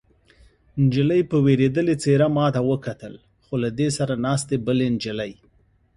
نجلۍ په وېرېدلې څېره ما ته وکتل، خو له دې سره ناستې بلې نجلۍ.